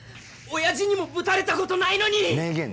親父にもぶたれたことないのに」